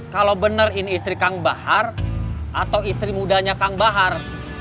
kalau benar ini istri kang bahar atau istri mudanya kang bahar